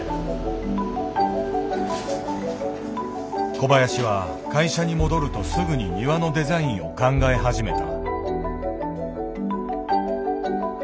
小林は会社に戻るとすぐに庭のデザインを考え始めた。